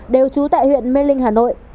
đều trú tại huyện mê linh hà nội